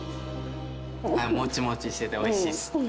モチモチしてておいしいです。